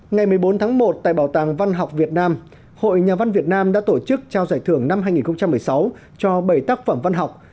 ngày một mươi bốn tháng một tại bảo tàng văn học việt nam hội nhà văn việt nam đã tổ chức trao giải thưởng năm hai nghìn một mươi sáu cho bảy tác phẩm văn học